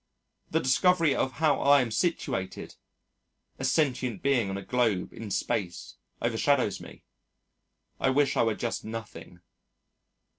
The discovery of how I am situated a sentient being on a globe in space overshadows me. I wish I were just nothing.